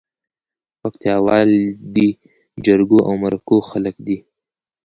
پکتياوال دي جرګو او مرکو خلک دي